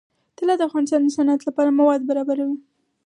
طلا د افغانستان د صنعت لپاره مواد برابروي.